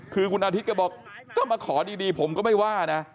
คือคุณอาทิตย์ก็บอกก็มาขอดีผมก็ไม่ว่านะ